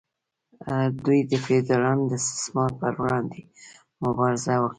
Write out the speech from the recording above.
دوی د فیوډالانو د استثمار پر وړاندې مبارزه وکړه.